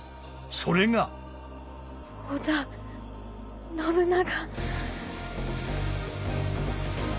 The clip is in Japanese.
それが織田信長。